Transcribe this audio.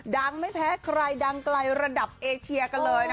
ไม่แพ้ใครดังไกลระดับเอเชียกันเลยนะ